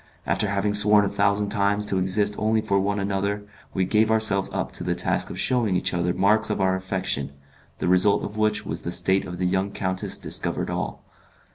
After having sworn a thousand times to exist only for one another, we gave ourselves up to the task of shewing each other marks of our affection, the result of which was that the state of the young countess discovered all.